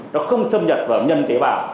nó không xâm nhật vào nhân tế bào